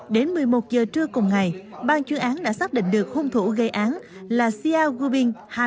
đến một mươi một h trưa cùng ngày ban chuyên án đã xác định được hung thủ gây án là xiao guobing